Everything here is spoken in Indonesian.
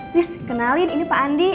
wis kenalin ini pak andi